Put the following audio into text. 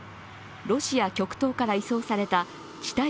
ロシア極東から移送された地